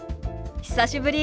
久しぶり。